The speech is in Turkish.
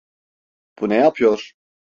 Bu ne yapıyor?